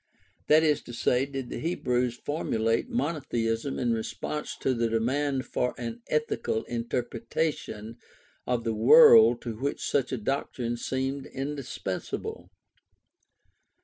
That is to say, did the Hebrews formulate mono theism in response to the demand for an ethical interpretation of the world to which such a doctrine seemed indispensable